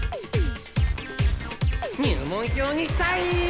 入門票にサインを！